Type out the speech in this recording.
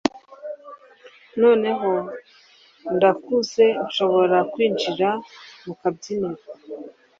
noneho ndakuze nshobora kwinjira mu kabyiniro